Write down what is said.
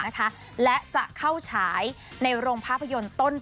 ภาพยนตร์เรื่องนี้นะคะคาดว่าจะใช้ระยะเวลาในการถ่ายธรรมประมาณ๒เดือนเสร็จนะคะ